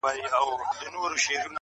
• ته لاهو په تنهایی کي -